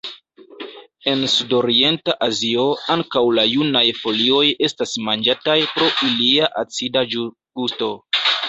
En sudorienta Azio ankaŭ la junaj folioj estas manĝataj pro ilia acida gusto.